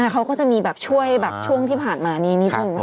เขาก็จะมีช่วยช่วงที่ผ่านมานี้นี้ตรง